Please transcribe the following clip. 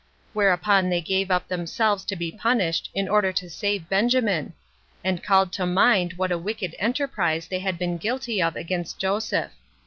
Whereupon they gave up themselves to be punished, in order to save Benjamin; and called to mind what a wicked enterprise they had been guilty of against Joseph.